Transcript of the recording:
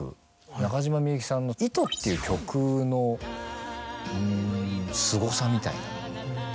中島みゆきさんの『糸』っていう曲のすごさみたいな。